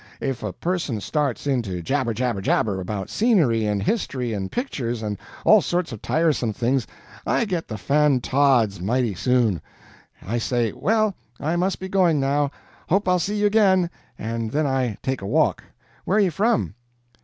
If a person starts in to jabber jabber jabber about scenery, and history, and pictures, and all sorts of tiresome things, I get the fan tods mighty soon. I say 'Well, I must be going now hope I'll see you again' and then I take a walk. Where you from?"